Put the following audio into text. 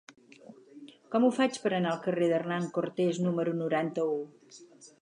Com ho faig per anar al carrer d'Hernán Cortés número noranta-u?